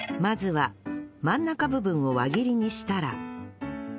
まずは真ん中部分を輪切りにしたら